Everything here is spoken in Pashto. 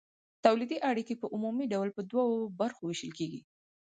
تولیدي اړیکې په عمومي ډول په دوو برخو ویشل کیږي.